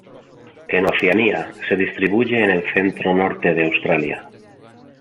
En Oceanía, se distribuye en el centro-norte de Australia.